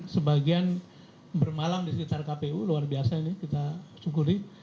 sebagian bermalam di sekitar kpu luar biasa ini kita syukuri